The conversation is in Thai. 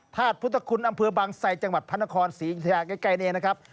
ธาตุพุทธคุณอำเภอบังไสต์จังหวัดพันธครศรีอีกใกล้เนรนะครับ